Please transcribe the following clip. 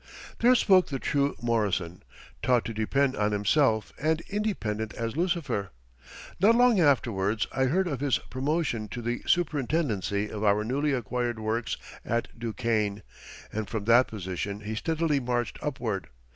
There spoke the true Morrison, taught to depend on himself, and independent as Lucifer. Not long afterwards I heard of his promotion to the superintendency of our newly acquired works at Duquesne, and from that position he steadily marched upward.